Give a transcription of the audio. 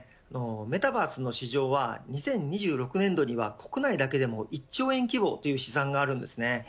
メタバースの市場は２０２６年度には国内だけでも１兆円規模という試算があります。